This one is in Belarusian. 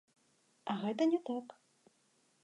А гэта не так.